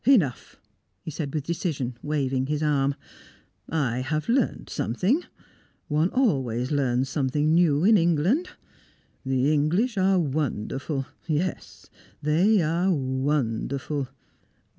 "Enough!" he said with decision, waving his arm. "I have learnt something. One always learns something new in England. The English are wonderful yes, they are wonderful.